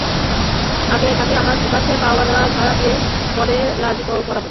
আগে তাকে আমার কাছে পাওনা ভাড়া দিতে হবে পরে তাকে রাজি করাবো।